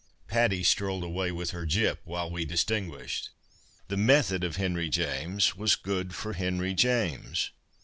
(Patty strolled away with her Gyp while we distinguished.) " The method of Henry James was good for Henry James.